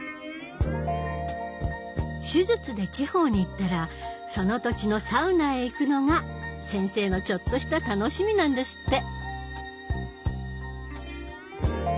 手術で地方に行ったらその土地のサウナへ行くのが先生のちょっとした楽しみなんですって。